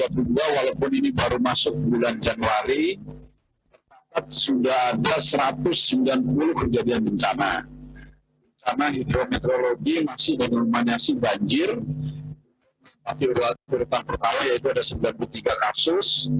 tapi berurutan pertama yaitu ada sembilan puluh tiga kasus